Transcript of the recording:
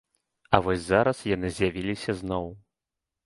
А вось зараз яны з'явіліся зноў.